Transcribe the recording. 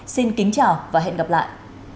xin kính chào và hẹn gặp lại